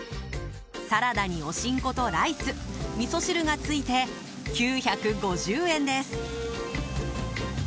サラダにお新香とライスみそ汁がついて９５０円です。